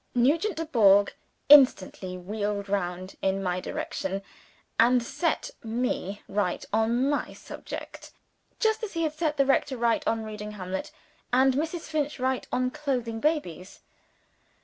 Nugent Dubourg instantly wheeled round in my direction; and set me right on my subject, just as he had set the rector right on reading Hamlet, and Mrs. Finch right on clothing babies.